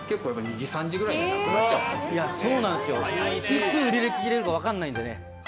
いつ売り切れるか分からないのでね。